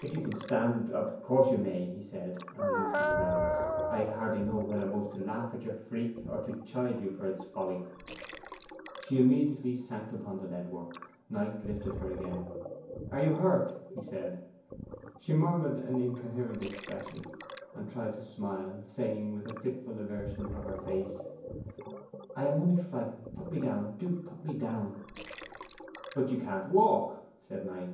'If you can stand, of course you may,' he said, and loosened his arms. 'I hardly know whether most to laugh at your freak or to chide you for its folly.' She immediately sank upon the lead work. Knight lifted her again. 'Are you hurt?' he said. She murmured an incoherent expression, and tried to smile; saying, with a fitful aversion of her face, 'I am only frightened. Put me down, do put me down!' 'But you can't walk,' said Knight.